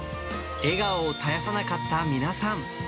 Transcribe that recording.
笑顔を絶やさなかった皆さん。